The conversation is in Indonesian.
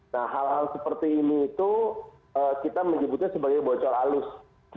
nah hal hal seperti ini itu kita menyebutnya sebagai bocor alus